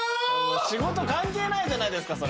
仕事関係ないじゃないですかそれ。